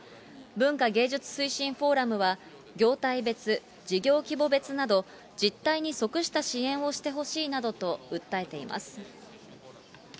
文化芸術推進フォーラムは、業態別、事業規模別など実態に則した支援をしてほしいなどと訴えています。